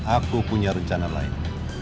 aku punya rencana lain